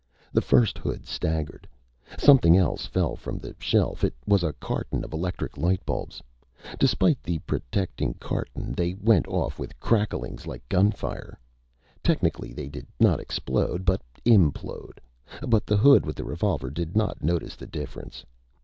The first hood staggered. Something else fell from the shelf. It was a carton of electric light bulbs. Despite the protecting carton, they went off with crackings like gunfire. Technically, they did not explode but implode, but the hood with the revolver did not notice the difference.